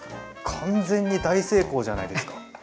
完全に大成功じゃないですか。